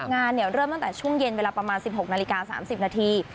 งานเริ่มตั้งแต่ช่วงเย็นเวลาประมาณ๑๖นาฬิกา๓๐นาที